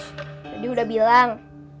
trudhy sudah bilang